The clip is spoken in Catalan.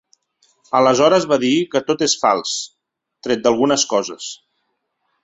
Aleshores va dir que ‘tot és fals, tret d’algunes coses’.